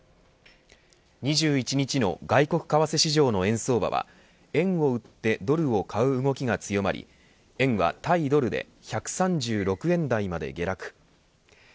２１日の外国為替市場の円相場は円を売ってドルを買う動きが強まり円は対ドルで１３６円台まで下落。